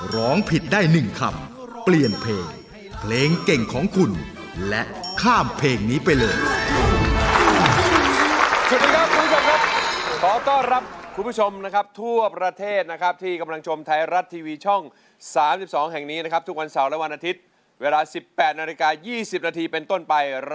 ร้องผิดได้๑คำเปลี่ยนเพลงเพลงเก่งของคุณและข้ามเพลงนี้ไปเลย